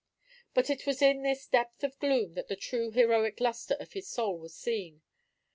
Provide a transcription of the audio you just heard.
But it was in this depth of gloom that the true heroic lustre of his soul was seen.